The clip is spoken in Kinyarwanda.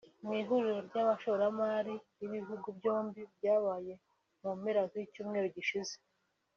Mu ihuriro ry’abashoramari b’ibihugu byombi ryabaye mu mpera z’icyumweru gishize